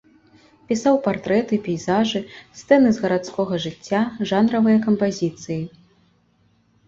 Пісаў партрэты, пейзажы, сцэны з гарадскога жыцця, жанравыя кампазіцыі.